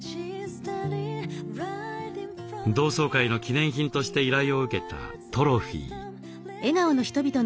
同窓会の記念品として依頼を受けたトロフィー。